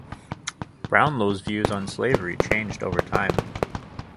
Brownlow's views on slavery changed over time.